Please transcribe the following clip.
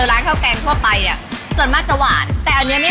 ร้านข้าวแกงทั่วไปเนี่ยส่วนมากจะหวานแต่อันเนี้ยไม่